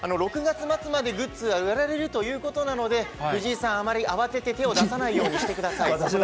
６月末まで、グッズが売られるということなので、藤井さん、あまり慌てて手を出さないようにしてください。